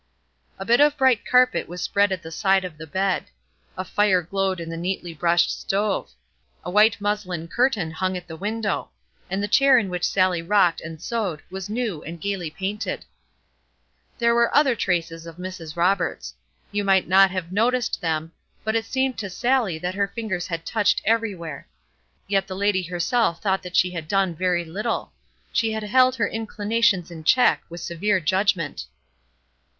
A bit of bright carpet was spread at the side of the bed. A fire glowed in the neatly brushed stove. A white muslin curtain hung at the window; and the chair in which Sallie rocked and sewed was new and gayly painted. There were other traces of Mrs. Roberts. You might not have noticed them, but it seemed to Sallie that her fingers had touched everywhere. Yet the lady herself thought that she had done very little. She had held her inclinations in check with severe judgment.